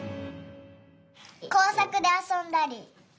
こうさくであそんだり。